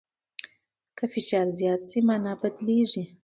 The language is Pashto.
که فشار زیات سي، مانا بدلیږي.